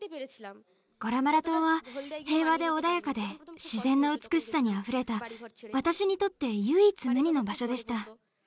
ゴラマラ島は平和で穏やかで自然の美しさにあふれた私にとって唯一無二の場所でした。